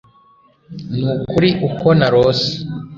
nukuri uko narose